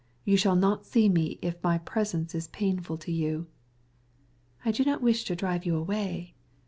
You shall not see me if my presence is distasteful to you." "I don't want to drive you away."